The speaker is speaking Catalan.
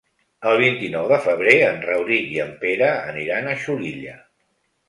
El vint-i-nou de febrer en Rauric i en Pere aniran a Xulilla.